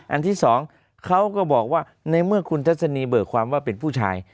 อันที่สองเขาก็บอกว่าในเมื่อคุณทัศนีเบิกความว่าเป็นผู้ชาย